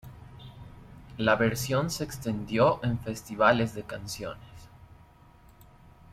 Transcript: La versión se extendió en festivales de canciones.